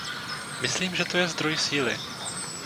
Myslím, že to je zdroj síly.